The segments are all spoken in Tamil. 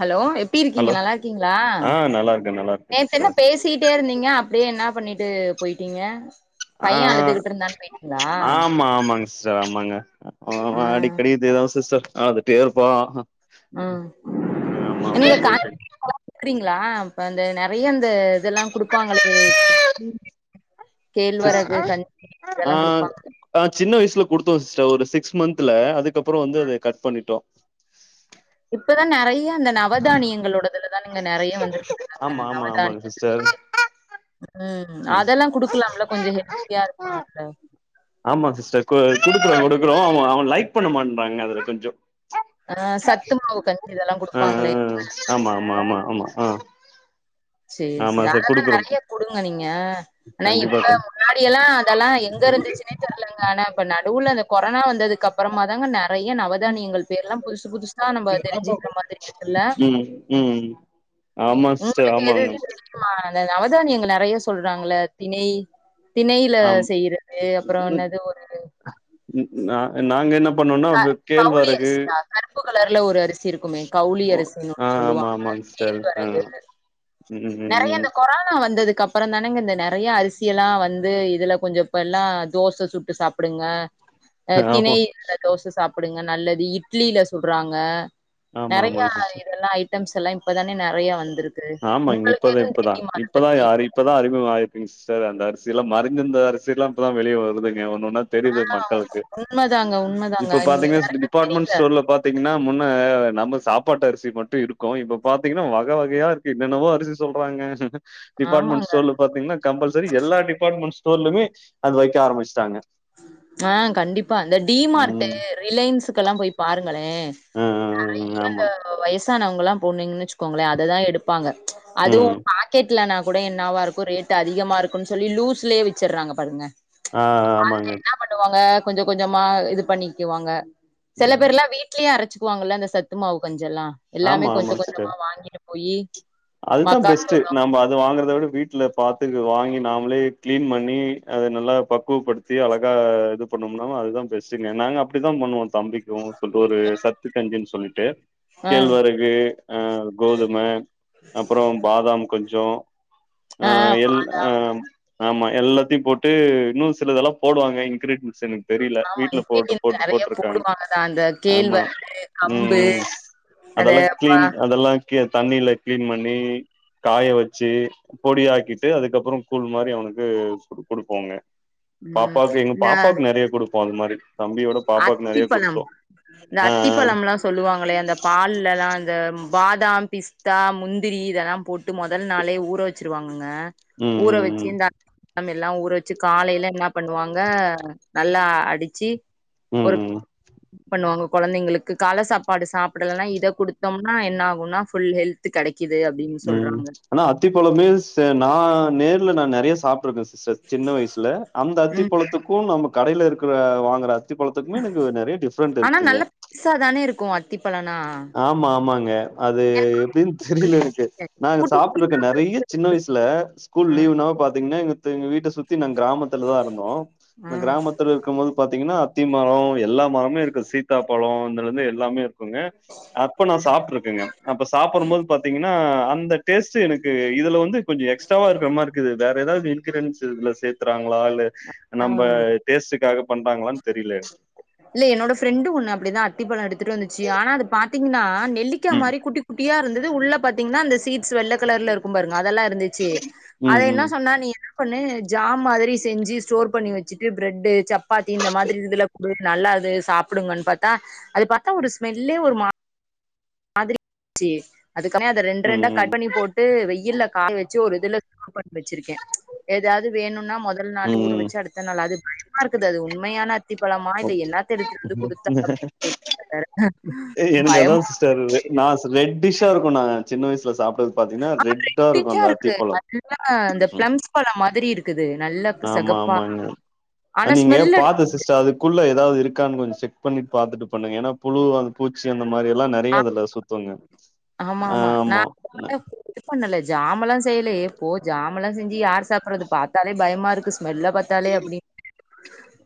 ஹலோ எப்டி இருக்கீங்க ஹலோ நல்லா இருக்கீங்களா ஆ நல்லா இருக்கே நல்லா இருக்கே நேத்து என்ன சிஸ்டர் பேஸ் சிட்டே இருந்தீங்க அப்டியே என்னா பண்ணிட்டு போயிட்டீங்க அ பையன் அழுதுகிட்டு இருந்தான்னு போயிட்டீங்களா ஆ ஆமா ஆமாங்க ஸ் ஆமாங்க ஆ அடிக்கடி இதேதா சிஸ்டர் அழுதுட்டே இருப்பா ஆ ஆமா எங்க அப்டியே போயிட்டு காமிக்கிறீங்களா குறீங்களா அப்ப அந்த நிறைய அந்த இதெல்லா குடுப்பாங்களே சிஸ் கேழ்வரகு கஞ்சி ஆ இதெல்லா குடுப்பாங்க ஆ சின்ன வயசுல குடுத்தோ சிஸ்டர் ஒரு சிக்ஸ் மந்த்ல அதுக்கப்றோ வந்து அத கட் பண்ணிட்டோ [inaudible] இப்பதா நெறைய அந்த நவதானியங்களோட துல தானங்க நெறைய வந்துருக்குது இல்லங்க நவதா ஆனா சிஸ்டர் ம் அதெல்லா குடுக்கலாம் இல்ல கொஞ்ச ஹெல்தியா இருக்குல்ல ஆமா சிஸ்டர் கொ குடுக்குறோ குடுக்குறோ அவ அவ லைக் பண்ண மாட்டறாங்க அதுல கொஞ்சோ ஆ சத்துமாவு கஞ்சி இதெல்லா ஆ குடுப்பாங்ளே ஆமா ஆமா ஆமா ஆமா ஆ சேரி ஆமா சேரி செர் அதெல்லா குடுக்குறோ கு நெறைய குடுங்க நீங்க ஆனா இப்ப முன்னாடி எல்லா அதெல்லா எங்க இருந்துச்சின்னே தெர்லங்க ஆனா இப்ப நடுவுல அந்த கொரோனா வந்ததுக்கு அப்றமா தாங்க ந நெறைய நவதானியங்கள் பேர்லா புதுசு புதுசா நம்ம தெரிஞ்சிக்கிற மாதிரி இருக்குல்ல ம் ம் ஆமா சிஸ்டர் ஆமா ஆமா மா அந்த நவதானியங்கள் நெறைய சொல்றாங்கள்ள திணை திணையில ஆமா செய்யறது அப்றோ ம், ம், என்னாது ஒரு நா நாங்க என்ன பண்ணோனா வெ கவுளி கேழ்வரகு அரிசியா கருப்பு கலர்ல ஒரு அரிசி இருக்குமே கவுளி அரிசின்னு ஆ ஒன்னு ஆமா சொல்லுவாங்க ஆமாங் சிஸ் செரி கேழ்வரகு ஆ ம் ம் நெறைய ம் இந்த கொரோனா வந்ததுக்கு அப் ற தானங்க இந்த நெறைய அரிசியெல்லா வந்து இதுல கொஞ்ச இப்பெல்லா தோச சுட்டு சாப்புடுங்க அ ஆமா திணை அ தோச சாப்புடுங்க நல்லது இட்லில சுட்றாங்க ஆமா நெறைய ஆமாங்க சிஸ்டர் இதெல்லா ஐட்டம்ஸ் எல்லா இப்பதான நெறைய வந்துருக் ஆமா இப்பதா இப்பதா இப்பதா ஆறி இப்பதா அறிமுக ஆயிருக்குங் சிஸ்டர் அந்த அரிசில்லா மரிஞ்சிருந்த அரிசில்லா இப்பதா வெளிய வருதுங்க ஒன்னு ஒன்னா தெரியுது ஆ மக்களுக்கு உண்மதாங்க உண்மதாங்க இப்ப பாத்தீங்னா நெறைய டிபாட்மெண்ட் தெரியல ஸ்டோர்ல பாத் திங்னா முன்ன நம்ம சாப்பாட்டு அரிசி மட்டு இருக்கு இப்ப பாத்தீங்னா வகை வகையா இருக் கு என்னென்னவோ அரிசி சொல்றாங்க டிபாட்மெண்ட் ஆமாங்க ஸ்டோர்ல பாத்தீங்னா கம்பல்சரி எல்லா டிபாட்மெண்ட் ஸ்டோர்லிமே அத வைக்க ஆரம்ச்சிட்டாங்க ஆ கண்டிப்பா இந்த டிமார்ட்டு ம் ரிலையன்ஸு கெல்லா போய் பாருங்களே ஆ நெறைய ஆமா வயசானவங்க எல்லா போனீங்கனு வச்சுக்கோங்களே அததா எடுப்பாங்க அதுவு ம் பாக்கெட்லனா கூட என்னாவா இருக்கு ரேட் அதிகமா இருக்குன் சொல்லி லூஸ்லயே வெச்சிறாங்க பாருங்க ஆ அத ஆமாங்க என்ன பண்ணுவாங்க கொஞ்ச கொஞ்சமா இது பண்ணிக்குவாங்க செல ம் பேர்லா வீட் லயே அரச்சிக்குவாங்கல்ல இந்த சத்து மாவு கஞ்செல்லா எல்லாமே ஆமா கொஞ்ச கொஞ்சமா வாங்கிட்டு போயி அதுதா பெஸ்ட்டு மக்காச்சோளோ நாம அது வாங்கறத விட வீட்ல பாத்து வாங்கி நாமளே கிளீன் பண்ணி அத நல்லா பக்குவப்படுத் தி அழகா இது பண்ணோம்னா அதுதா பெஸ்ட்டுங்க நாங்க அப்டித்தா பண்ணுவோ தம்பிக்கு சொல்ட்டு ஒரு சத்து கஞ்சின் சொல்லிட்டு ஆ கேழ்வரகு அ கோதும அப்றோ பாதாம் கொஞ்சோ ஆ எல் ஆ ஆமா எல்லாத்தையு போட்டு இன்னு சிலதெல்லா போடுவாங்க இன்கிரீடியண்ட்ஸு தெரியில ஆமா வீட்ல போட்டு இன்கிரீடியன்ட் போட்டு நெறைய போட்ருக்காங்க போடுவாங்கதா அந்த ஆமா கேழ்வரகு கம்பு ம் அந்த அதெல்லா பா கிளீன் அதெல்லா கிய தண்ணியில கிளீன் பண்ணி காய வச்சி பொடியாக்கிட்டு அதுக்கப்றோ கூல் மாரி அவனுக்கு குடு குடுப்போங்க ம் பாப்பாக்கு எங்க இந்த பாப்பாவுக்கு நெறைய குடுப்போ அது மாரி தம்பியோட பாப்பாக்கு நெறைய அத்திப்பழம் குடுத்தோ இந்த ஆ அத்திப்பழம்லா சொல்லுவாங்களே அந்த பால்ல எல்லா அந்த பாதாம் பிஸ்தா முந்திரி இதெல்லா போட் டு மொதல் நாளே ஊற வச்சிருவாங்கங்க ம் ஊற வச் ம் சி இந்த கம்பெல்லா ஊற வச்சி காலையில என்ன பண்ணுவாங்க நல்லா அடிச்சி ம் ம் ஒரு ம் பண்ணுவாங்க கொழந்தைங்களுக்கு கால சாப்பாடு சாப்பிடலனா இத குடுத்தோம்னா என்ன ஆகுனா ஃபுல் ஹெல்த் கெடை ம் ஆனா அத்திப்பழ மீல்ஸ் நா நேர்ல நா நெறைய சாப்டுருக்கு ச சின்ன வயசுல அந்த ம் அத்திப்பழத்துக்கு நம்ம கடைல இருக்கிற வாங்குற அத்தி பழத்துக்குமே எனக்கு நெறைய டிஃப்ரெண்ட் இருக்குங்க பெருச தான இருக்கு அத்திப்பழனா ஆமா ஆமாங்க அது எப்டினு தெரியல எனக்கு நா அங்க குட்டி சாப்பிட்ருக்கே குட்டியா நெறைய சின்ன வயசுல ஸ்கூல் ஆ லீவ்னாவ பாத்தீங்கனா எங்க எங்க வீட்ட சுத்தி நா கிராமத்துல தா இருந்தோ ஆ இந்த கிராமத்துல இருக்குபோது பாத்தீங்கனா அத்திமரோ எல்லா மரமே இருக்கு சீத்தா பழோ இதுல இருந்து எல்லாமே இருக்குங்க அப்ப நா சாப்ட்ருக்கேங்க அப்ப சாப்டு போது பாத்தீங்கனா அந்த டேஸ்ட்டு எனக்கு இதுல வந்து கொஞ்சோ எக்ஸ்ட்ராவா இருக்கிற மாரி இருக்குது வேற ஏதாவது இங்கிறேடீண்ட்ஸ் இதுல சேத்தறாங்களா இல்ல ஆ நம்ம டேஸ்டுகாக பண்றாங்களானு தெரில இல்ல என்னோட ஃப்ரெண்டு ஒண்ணு அப்டிதா அத்தி பழ எடுத்துட்டு வந்துச்சு ஆனா அது பாத்தீங்கனா நெல்லிக்கா ம். மாரி குட்டி குட்டியா இருந்தது உள்ள பாத்தீங்கனா அந்த சீட் ஸ் வெள்ள கலர்ல இருக்கு பாருங்க அதெல்லா இருந்துச்சு ம். அத என்ன ம். சொன்னா நீ என்னாபண்ணு ஜாம் மாதிரி செஞ்சு ஸ்டோர் பண்ணி வச்சுட்டு பிரெட்டு சப்பாத்தி இந்த மாதிரி இதுல பே நல்லா அது சாப்டுங்கனு பாத்தா அது பாத்தா ஒரு ஸ்மெல்லே ஒரு மா மாதிரி ச்சு அதுக்கப் அத ரெண்டு ரெண்டா ம். கட் ம். பண்ணி போட்டு வெயில்ல காய வச் சு ஒரு இதுல ஸ்டோர் பண்ணி வச்சிருக்கே ஏதாவது வேணுனா மொதல் நாளே ஊற ம். வச்சு அடுத்த நாள் அது பய மா இருக்குது அது உண்மையான அத்தி பழமா இது ஓகே. என்னாத்த எடுத்துட்டு வந்து குடுத்தா அப்டினு தெரி வேற பயமா தருவே நா சி ரெட் டிஷ்ஷா இருக்குனா நாங்க சின்ன வயசுல சாப்டது ஆமா ரெட்டிஜா இருக்கு நல்லா இந்த ம். பிளம்ஸ் பழ மாதிரி இருக்குது நல்லா ஆமா செகப்பா ஆமாங்க ஆனா நீங்க ஸ்மெல் அடி பாத்து சிஸ்டர் அது குள்ள ஏதாவது இருக்கானு கொஞ்சோ செக் பண்ணி பாத்துட்டு பண்ணுங்க ஏனா புழு வா பூச்சி அந்த மாரி எல்லா ஆ நெறைய அதுல சுத்துங்க ஆமா ஆ நா ஆமா ன இது பண்ணல ஜாமெல்லா செய்யல ஏ போ ஜாமெல்லா செஞ்சு யார் சாப்டுறது பாத்தாலே பயமா இருக்கு ஸ்மெல்ல பாத்தாலே அப்டி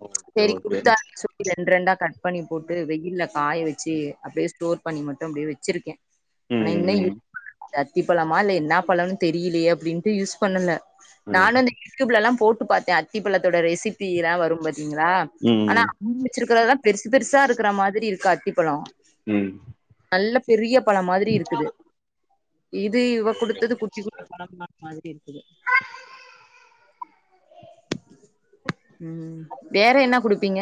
ஓகே சேரி ஓகே குடுத்தாச்சு ரெண்டு ரெண்டா கட் பண்ணி போட்டு வெயில்ல காய வச்சு அப்டியே ஸ்டோர் பண்ணி மட்டும் அப்டியே வச்சிருக்கே ஆனா இன்னு யூ ம் அத்தி பழமா இல்ல என்ன பழோனு தெரியலேயே அப்டின்ட்டு யூஸ் பண்ணல ம் நானு இந்த யூடியூப்லலலா போட்டு பாத்தே அத்திப்பழத்தோட ரெசிபி எலா வரு பாத்தீங்களா ஆனா ம் அவுங்க வச்சிருக்கறதான் பெருசு பெருசா இருக்கிற மாதிரி இருக்கு அத்திப்பழோ ம் நல்ல பெரிய பழ மாதிரி இருக்குது இது இவ ஓகே குடுத்தது ஓகே குட்டி குட்டி சிஸ்டர் பழமா ஒரு மாதிரி இருக்குது ம் வேற என்ன குடுப்பீங்க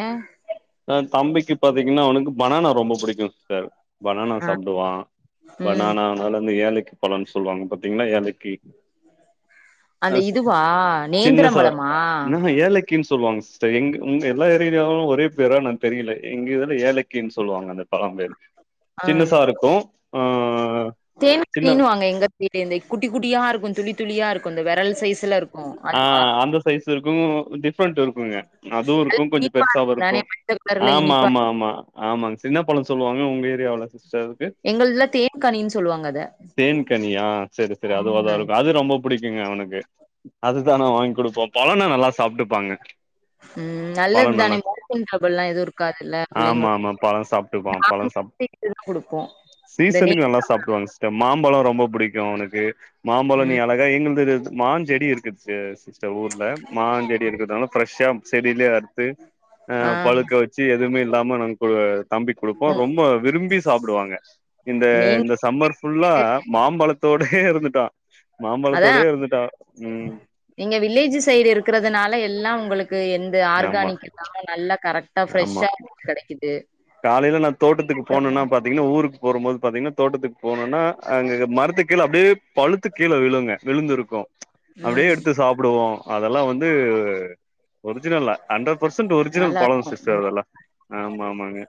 ஆ தம்பிக்கு பாத்தீங்கனா அவனுக்கு பனானா ரொம்ப புடிக்கு சிஸ்டர் பனானா ஆ சாப்டுவா ம் பனானானால வந்து ஏலக்கி பழம்னு சொல்லுவாங்க பாத்தீங்கள ஏலக்கி அ அந்த இதுவா சின்ன நேந்திரம் சார் பழமா என்னமா ஏலக் கினு சொல்லுவாங்க சிஸ்டர் எங் உங்க எல்லா ஏரியாலயு ஒரே பேரா நா தெரியல எங்க இதுல ஏலக்கினு சொல்லுவாங்க அந்த பழம் பேரு ஆ சின்னசா இருக்கு ஆ ஆ ஹ தேன் கிண்ணின்னு வாங்க எங்க வீட்டேருந்தே குட்டி குட்டியா இருக்கு துளி துளியா இருக்கு இந்த விரல் சைஸ்ல இருக் ஆ அந்த சைஸ் இருக்கு டிஃப்ரெண்ட்டு இருக்குங்க அதுவு நல்ல இருக்கு கொஞ்சோ இனிப்பா பெருசாவு இருக்கும் இருக்கு தானே மஞ்ச கலர்ல ஆமா இனிப்பா ஆமா ஆமா ஆமாங்க சின்னப்பழோ சொல்லுவாங்க உங்க ஏரியாவ்வுல சிஸ்டர் எ எங்கள்துல தேன்கனின்னு சொல்லுவாங்க அத. தேன்கனியா சேரி சேரி அது அது அதா ம். இருக்கு அது ரொம்ப புடிக்குங்க அவனுக்கு அதுதா நா வாங்கி குடுப்போ பழோனா நல்லா சாப்டுப்பாங்க ம் நல்லது தானே மோசன் ட்புள்ல்லா எதுவு இருக்காதுல்ல ஆமா, ஆமா. பழம் பிள்ளைங்களுக்கு சாப்ட்டுப்பான். ஆ னு பழம் சாப் டிக் இதுக்கு குடுப்போ சீசனுக்கு நல்லா சாப்டுவாங்க மாம்பழ ரொம்ப பிடிக்கு அவனுக்கு மாம்பழ நீ ம் அழகா எங்களுது மாஞ்செடி இரு ந்துச்சி சிஸ்டர் ஊர்ல மாஞ்செடி இருக்கறதால ப்ரெஷ்ஷா செடியிலயே அறுத்து ஆ பழுக்க வச்சி எதுவுமே இல்லாம நாங் க தம்பிக்கு குடுப்போ ம் ரொம்ப விரும்பி சாப்டுவாங்க இந்த நீங்க இந்த சம்மர் ஃபுல்லா மாம்பழத்தோடயே இருந்துட்டா அதான் மாம்பழத்தோடயே இருந்துட்டா ம் நீங்க வில்லேஜ் சைடு இருக்கிறதுனால எல்லா உங்களுக்கு எந்த ஆமா ஆர்கானிக் இல்லாம நல்ல கரெக்ட் டா ஃப்ரெஷ்ஷா கெடைக்குது காலேல நா தோட்டத்துக்கு போனுன்னா பாத் தீங்கன்னா ஊருக்கு போறும்போது பாத்தீங்கன்னா தோட்டத்துக்கு போனுன்னா அங்க மரத்து கீழ அப்டியே பழுத்து கீழ விழுங்க விழுந்துருக்கு அப்டியே ம் எடுத்து சாப்டுவோ அதெல்லா வந்து ஒரிஜினல்லா ஹண்ட்ரட் பர்சன்ட் ஒரிஜினல் நல்லா பழம் இருக்கும். சிஸ்டர் ம் அதெல்லா ஆமா ஆமாங்க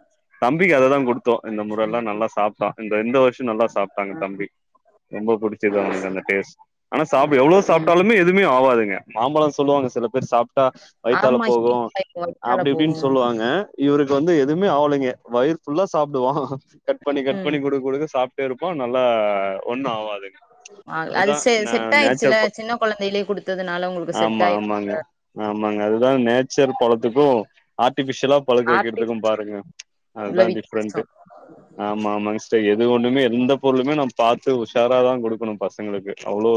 தம்பிக்கு அததா குடுத்தோ இந்த முறல்லா நல்லா சாப்ட்டா இந்த இந்த வருஷோ நல்லா சாப்ட்டாங்க தம்பி ரொம்ப புடிச்சது அவனுக்கு அந்த டேஸ்ட் ஆனா சாப் எவ்ளோ ம். சாப்டாலுமே எதுமே ஆவாதுங்க மாம்பழ சொல்லுவாங்க சில பேர் சாப்ட்டா வயித்தால ஆமா போகு ஹீட் ஆயிரும் வயித்தால அப்டி இப்டின்னு போகும். சொல்லுவாங்க இவருக்கு வந்து எதுவுமே ஆவலங்க வயிறு ஃபுல்லா சாப்டுவா கட் பண்ணி கட் ம் பண்ணி குடுக்க குடுக்க சாப்ட்டே இருப்போ நல்ல ஒண்ணு ஆவாதுங்க ஆ அது அதுதா செ ந செட் நேச்சர் ஆயிருச்சில்ல ப சின்ன கொழந்தையிலேயே குடுத்ததுனால உங்களுக்கு செட் ஆமா ஆமாங்க ஆயிருக்கும்ல ஆமாங்க அதுதா நேச்சர் பழத்துக்கு ஆர்ட்டிபிஷியலா பழுக்கு ஆர்டிஃபி வக்கிறதுக்கு பாருங்க உள்ள அதுதா வித்தியாசோ டிஃப்ரெண்ட்டே ஆமா ஆமாங்க சிஸ்டர் எது ஒண்னுமே எந்த பொருளுமே நம்ம பாத்து உஷாராதா குடுக்கணு பசங்களுக்கு அவ்ளோ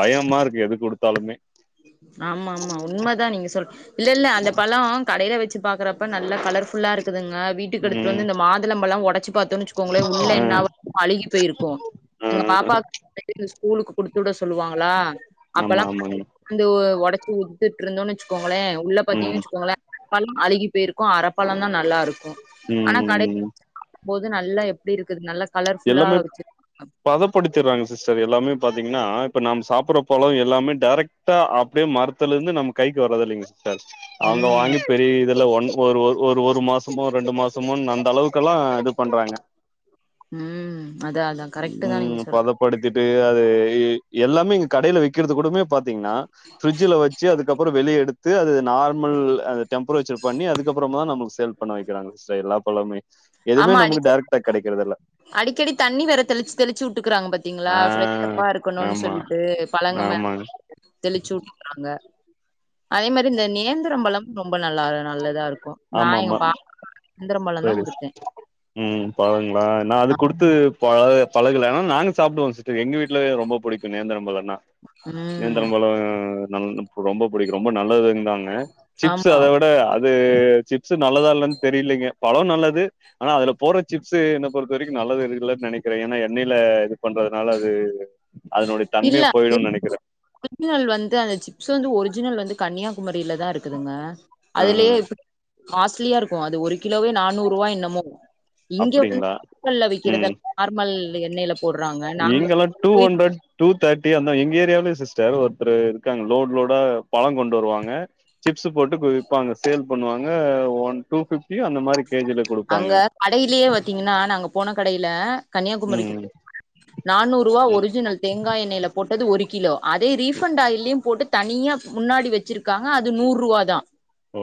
பயமா இருக்கு எது குடுத்தாலுமே ஆமா ஆமா உண்ம தா நீங்க சொல் இல்ல இல்ல அந்த பழம் கடேல வச்சி பாக்குறப்ப நல்லா கலர் ஃபுல்லா இருக்குதுங்க வீட்டுக்கு எடுத்துட்டு ம் வந்து இந்த மாதுளம்பழம் ஒடச்சி பாத்தோன்னு வெச்சுக்கோங்களே ஆ உள்ள என்னவோ அழுகி போயிருக்கு ஆ எங்க பாப்பாக்கு இந்த ஸ்கூலுக்கு குடுத்துவிட சொல்லுவாங்களா ஆமா அப்பெல்லா ஆமாங்க வந்து ஒடச்சி ஊதுத்திட்ருந்தோன்னு வச்சுக்கோங்ளே உள்ள பாத்தீங்கன்னு ம் வச்சுக்கோ ங்களே அழுகி போயிருக்கு அரப்பழம்ந்தா நல்லா இருக்கு ஆனா ம் கடேல ம் போது நல்லா எப்டி இருக்குது நல்லா கலர்ஃபுல்லா எல்லாமே வச்சு பதப்படுத்திட்றாங்க சிஸ்டர் எல்லாமே பாத்தீங்ன்னா இப்ப நாம சாப்ட்ற பழம் எல்லாமே டேரெக்ட் டா அப்டியே மரத்துலருந்து நம்ம கைக்கு வரதில்லைங்க சிஸ் டர் அங்க ம் வாங்கி பெரிய இதுல ஒன் ஒரு ஒரு ஒரு மாச மோ ரெண்டு மாசமோன்னு அந்த அளவுக்குல்லா இது பண்றாங்க ம் அதா அதா கரெக்ட்டுதா நீங்க சொல் பதப்படுத்தீட்டு அது எல்லாமே இங்க கடேல விக்கறது கூடமே பாத்தீங்கன்னா ஃபிரிட்ஜில வச்சி அதுக்கப்பறோ வெளிய எடுத்து அது நார்மல் அந்த டெம்ப்ரேச்சர் பண்ணி அதுக்கப்பறமதா நமக்கு சேல் பண்ண வெக்கிறாங்க சிஸ்டர் எல்லா பழமே எதுமே ஆமா அடிக்க நம்மளுக்கு டேரக்ட்டா கெடைக்றது இல்ல அடிக்கடி தண்ணி வேற தெளிச்சி தெளிச்சி விட்டுக்குறாங்க பாத் தீங்ளா ஆ. ப்ரெஷ்ப்பா இருக்கணுன்னு ஆமா. சொல்லிட்டு பழங்க மேல ஆமாங்க. தெளிச்சிவுட்டுகிறாங்க அதே மாரி இந்த நேந்திரம் பழம் ரொம்ப நல்லா நல்லதா இருக்கு நா எங்க ஆமாமா. பாப்பாக்கு நேந்திரம்பழம்தா சரி. குடுத்தே ம் பழங்களா நா அது குடுத்து பழ கலா ஆனா நாங்க சாப்ட்டுவோ சிஸ்டர் எங்க வீட்லயு ரொம்ப புடிக்கு நேந்திரம் பழம்ன்னா ம் நேந்திரம் பழம் நல் ரொம்ப புடிக்கு ரொம்ப நல்லதுன் னாங்க சிப்ஸ் ஆமா அத விட அது சிப்ஸ் நல்லதா இல்லன்னு தெரியலலைங்க பழம் நல்லது ஆனா அதுல போட்ற சிப்ஸ் என்ன பொறுத்த வரைக்கு நல்லது எதுவு இல்லன்னு நெனைக்கிறே ஏன்னா எண்ணெயில இது பண்றதுனால அது அதனுடைய இல்ல தன்மையே அது போயிடுன்னு நெனைக்கிறே ஒரிஜினல் வந்து அந்த சிப்ஸ் வந்து ஒரிஜினல் வந்து கன்னியாகுமரியில தா இருக்குதுங்க ஆ அதுலே இப்ப காஸ்ட்லியா இருக்கு அது ஒரு கிலோவே நானூறு ரூவா என்னமோ இங்க வந்து அப்டிங்களா லோக்கல்ல விக்கிறது நார்மல் எண்ணெயில போடுறாங்க நாங்க இங்கெல்லா டூ போய் ஹண்ரட் டூ தேர்ட்டி அந்தா எங்க ஏரியாவலே சிஸ்டர் ஒருத்தர் இருக்காங்க லோட் லோடா பழம் கொண்டு வருவாங்க சிப்ஸ்சு போட்டு விப்பாங்க சேல் பண்ணுவாங்க ஒன் டூ பிஃப்டி அந்த மாரி கேஜில குடுப்பாங்க கடைலே பாத்தீங்ன்னா நாங்க போன கடைல கன்னியாகுமரிக்கு ம் நானூரூவா ம் ஒரிஜினல் தேங்காய் எண்ணெய்ல போட்டது ஒரு கிலோ அதே ரீஃபண்ட் ஆயிலயு போட்டு தனியா முன்னாடி வெச்சிருக்காங்க அது நூறு வாதா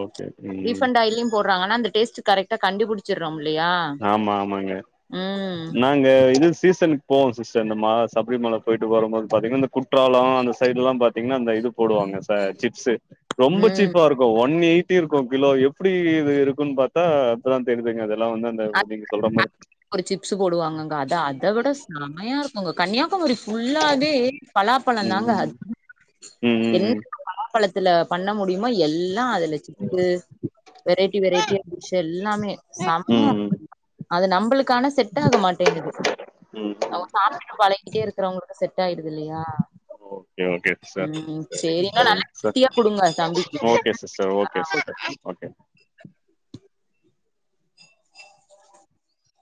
ஓகே ம் ரீஃபண்ட் ஆயிலயும் போர்றாங்க ஆனா அந்த டேஸ்ட்டு கரெக்டா கண்டுபுடிச்சிட்றோம் இல்லையா ஆமா ஆமாங்க ம் நா இங்க இது சீசன்க்கு போவோ சிஸ்டர் இந்த மா சப்ரிமல போயிட்டு வரும்போது பாத்தீங்னா இந்த குற்றாலோ அந்த சைட்ல்லா பாத்தீங்ன்னா அந்த இது போடுவாங்க ச சிப்ஸ்சு ரொம்ப ம் சீப்பா இருக் கு ஒன் எயிட்டி இருக்கு கிலோ எப்டி இது இருக்குன் பார்த்தா அப்பதா தெரிதுங்க அதெல்லா வந்து த இப்ப நீங் சொல்ற மாரி ஒரு சிப்ஸ்சு போடுவாங்கங்க அத அத விட சம்மையா இருக்குங்க கன்னியாக் குமரி ஃபுல்லாவே பலாப்பழ தாங்க ம் ம் என்ன ம் பழாப்பழத்துல பண்ண முடியுமோ எல்லா அதுல சிப்ஸ்சு வெரைட்டி வெரைட்டியா டிஷ் எல்லாமே சம்மைய ம் ம் அது நம்மளுக் கான செட் ஆக மாட்டேங்குது ம் அவங்க சாப்டுட்டு பழகிட்டே இருக்கிறவங்களுக்கு செட் ஆயிடுது இல்லையா ஓகே ஓகே சார் ம் சரி சரிங் இன்னும் நல்லா சரிங்க சார் ஹெல்த்தியா குடுங்க தம்பிக்கு ஓகே சிஸ்டர் ஆ ஒகே ஓகே சிஸ்டர் ஓகே